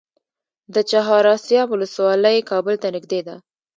د چهار اسیاب ولسوالۍ کابل ته نږدې ده